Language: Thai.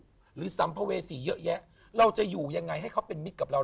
หรือสัมภเวษีเยอะแยะเราจะอยู่ยังไงให้เขาเป็นมิตรกับเรา